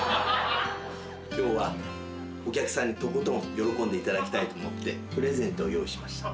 今日はお客さんにとことん喜んでいただきたいと思ってプレゼントを用意しました。